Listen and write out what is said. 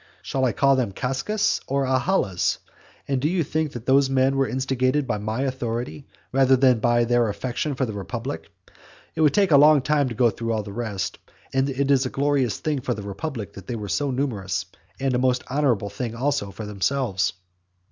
Shall I call them Cascas, or Ahalas? and do you think that those men were instigated by my authority rather than by their affection for the republic? It would take a long time to go through all the rest; and it is a glorious thing for the republic that they were so numerous, and a most honourable thing also for themselves.